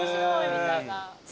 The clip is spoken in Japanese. みたいな。